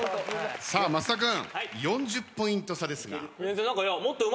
さあ増田君４０ポイント差ですが。